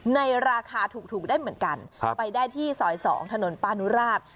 ในราคาถูกได้เหมือนกันไปได้ที่ซอย๒ถนนปานุราช